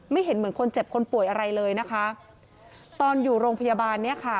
เห็นเหมือนคนเจ็บคนป่วยอะไรเลยนะคะตอนอยู่โรงพยาบาลเนี้ยค่ะ